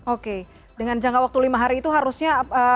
oke dengan jangka waktu lima hari itu harusnya